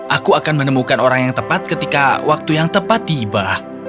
aku akan menemukan orang yang tepat ketika waktu yang tepat tiba